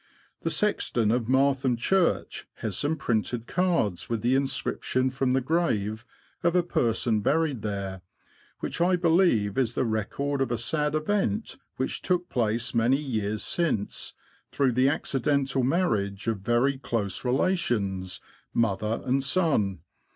The sexton of Martham Church has some printed cards with the inscription from the grave of a person buried there, which I believe is the record of a sad event which took place many years since through the accidental marriage of very close relations — mother and son.